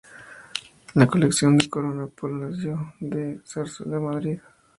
Colección de la Corona, Palacio de la Zarzuela, Madrid.